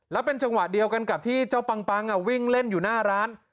แล้วเป็นจังหวะเดียวกันกับที่เจ้าปังวิ่งเล่นอยู่หน้าร้าน